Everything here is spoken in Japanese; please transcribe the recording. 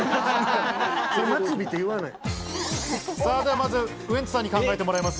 まずウエンツさんに考えてもらいます。